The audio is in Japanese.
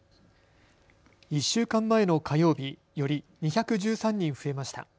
１週間前の火曜日より２１３人増えました。